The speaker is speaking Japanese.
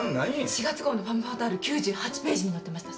４月号の『ファムファタール』９８ページに載ってました。